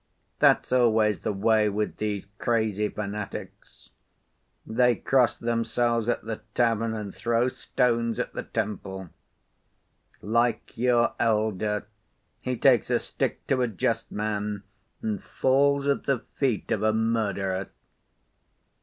That's always the way with these crazy fanatics; they cross themselves at the tavern and throw stones at the temple. Like your elder, he takes a stick to a just man and falls at the feet of a murderer."